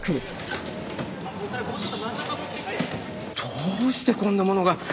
どうしてこんなものが！？